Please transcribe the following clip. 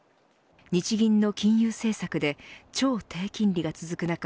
日銀の金融政策で超低金利が続く